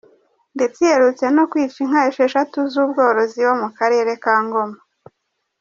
Ndetse iherutse no kwica inka esheshatu z’ ubworozi wo mu karere ka Ngoma.